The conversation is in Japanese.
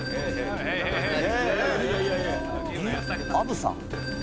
『あぶさん』？